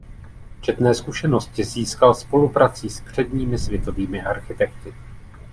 Četné zkušenosti získal spoluprací s předními světovými architekty.